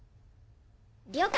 了解！